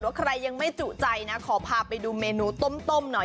ใครยังไม่จุใจนะขอพาไปดูเมนูต้มหน่อย